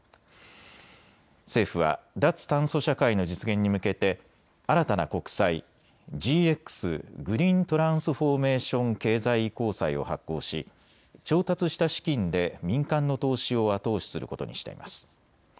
政府は脱炭素社会の実現に向けて新たな国債、ＧＸ・グリーントランスフォーメーション経済移行債を発行し調達した資金で民間の投資を後押しすることにしています。